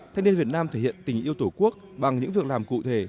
thanh niên việt nam thể hiện tình yêu tổ quốc bằng những việc làm cụ thể